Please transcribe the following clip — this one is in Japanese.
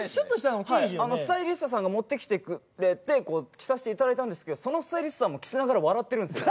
スタイリストさんが持ってきて着させていただいたんですがそのスタイリストさんも着せながら笑ってるんです。